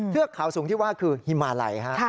เทือกขาวสูงที่ว่าคือฮิมาไล่